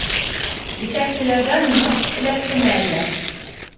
Етәкселәрҙән ныҡ эләктеме әллә?